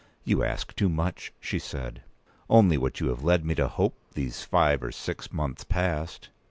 "You ask too much," she said. "Only what you have led me to hope these five or six months past!"